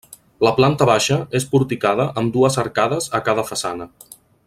La planta baixa és porticada amb dues arcades a cada façana.